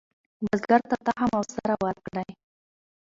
بزګر ته تخم او سره ورکړئ.